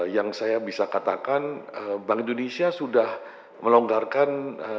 yang saya bisa katakan bank indonesia sudah melonggarkan